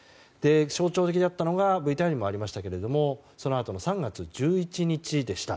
象徴的だったのがＶＴＲにもありましたがそのあとの３月１１日でした。